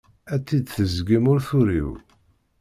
Ad tt-id-teẓẓgem ur turiw.